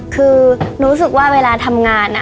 คือหนูรู้สึกว่าเวลาทำงาน